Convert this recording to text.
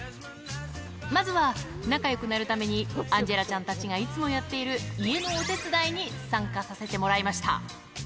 まずは、仲よくなるためにアンジェラちゃんたちがいつもやっている家のお手伝いに参加させてもらいました。